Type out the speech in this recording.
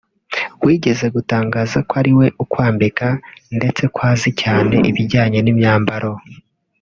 Wigeze gutangaza ko ari we ukwambika ndetse ko azi cyane ibijyanye n’imyambaro